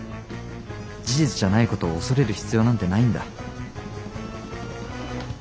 事実じゃないことを恐れる必要なんてないんだ。